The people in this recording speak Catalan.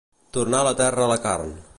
Tornar a la terra la carn.